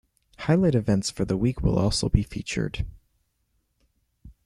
Highlight events for the week will also be featured.